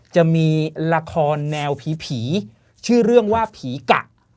จะมีละครแนวผีชื่อเรื่องว่าผีกะ